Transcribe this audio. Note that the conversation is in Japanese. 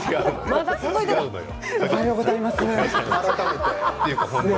おはようございます。